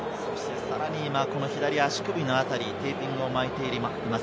左足首の辺り、テーピングを巻いています。